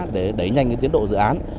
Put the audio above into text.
để đẩy nhanh cái tiến độ dự án